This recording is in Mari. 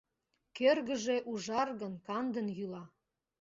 Кӧргыжӧ ужаргын-кандын йӱла.